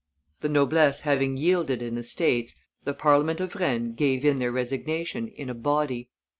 The noblesse having yielded in the states, the Parliament of Rennes gave in their resignation in a body.